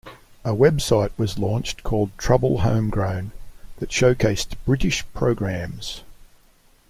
A website was launched called "Trouble Homegrown" that showcased British programmes.